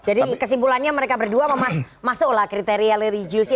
jadi kesimpulannya mereka berdua masuklah kriteria religiusnya